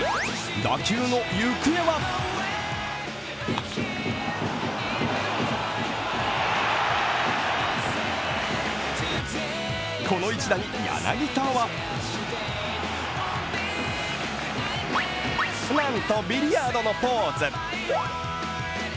打球の行方はこの一打に柳田はなんとビリヤードのポーズ。